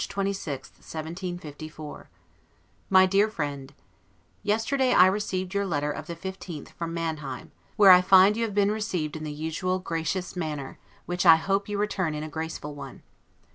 LETTER CC LONDON, March 26, 1754 MY DEAR FRIEND: Yesterday I received your letter of the 15th from Manheim, where I find you have been received in the usual gracious manner; which I hope you return in a GRACEFUL one.